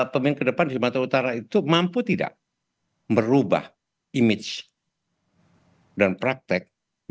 pemimpin kedepan di sumatera utara itu mampu tidak merubah image dan praktek